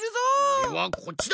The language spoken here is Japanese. おれはこっちだ！